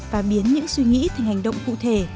và biến những suy nghĩ thành hành động cụ thể